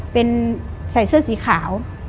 เป็นใส่เสื้อสีขาว